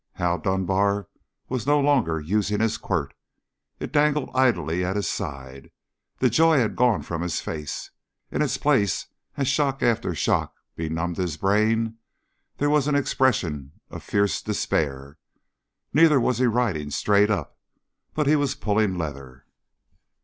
Hal Dunbar was no longer using his quirt. It dangled idly at his side. The joy had gone from his face. In its place, as shock after shock benumbed his brain, there was an expression of fierce despair. Neither was he riding straight up, but he was pulling leather.